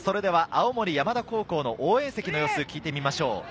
青森山田高校の応援席の様子を聞いてみましょう。